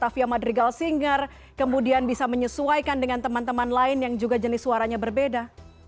batavia madrigal singer kemudian bisa menyesuaikan dengan teman teman lain yang juga jenis suaranya berbeda